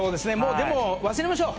でも、忘れましょう。